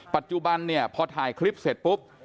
ปัจจุบันเนี่ยพอถ่ายคลิปเสร็จปุ๊บ